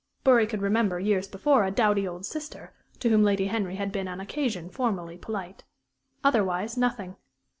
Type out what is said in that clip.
Bury could remember, years before, a dowdy old sister, to whom Lady Henry had been on occasion formally polite. Otherwise, nothing.